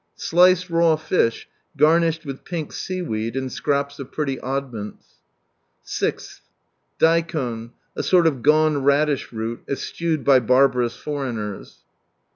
Sliced raw fish, garnished with pink sea weed, and scraps of pretty oddments. 6th, Daikon — a sort of gone radish root, eschewed by barbarous foreigners.